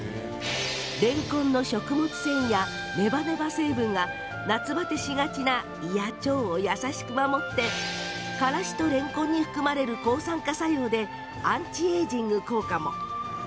れんこんの食物繊維やネバネバ成分が夏バテしがちな胃や腸を優しく守ってからしと、れんこんに含まれる抗酸化作用でアンチエージング効果も！